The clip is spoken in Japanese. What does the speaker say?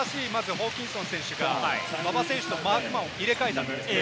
ホーキンソン選手が馬場選手のワンバンを入れ替えたんですね。